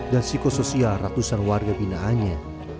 dan psikososial ratusan warga ginaannya